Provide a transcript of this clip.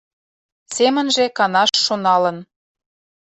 Семынже канаш шоналын.